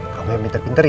kamu yang pinter pinter ya